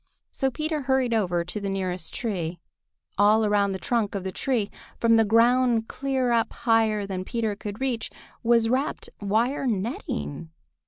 So Peter hurried over to the nearest tree. All around the trunk of the tree, from the ground clear up higher than Peter could reach, was wrapped wire netting.